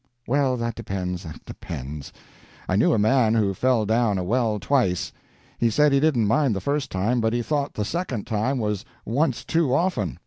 "Well, that depends that depends. I knew a man who fell down a well twice. He said he didn't mind the first time, but he thought the second time was once too often.